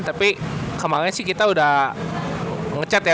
tapi kemaren sih kita udah ngechat ya